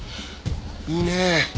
いいね！